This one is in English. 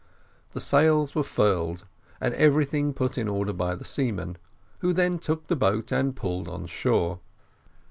The sails were furled, and everything put in order by the seamen, who then took the boat and pulled on shore.